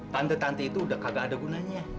tante tante itu udah kagak ada gunanya